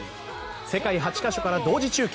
世界８か所から同時中継。